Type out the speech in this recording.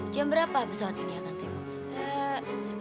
jam berapa pesawat ini akan take off